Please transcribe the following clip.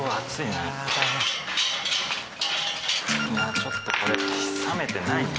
ちょっとこれ冷めてないね。